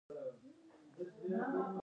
مومند درې ولسوالۍ لاره ده؟